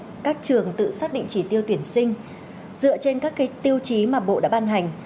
các trường tự xác định chỉ tiêu tuyển sinh dựa trên các tiêu chí mà bộ đã ban hành